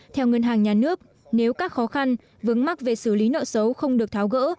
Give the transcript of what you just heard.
theo ngân hàng nhà nước nếu các khó khăn vướng mắc về xử lý nợ xấu không được tháo gỡ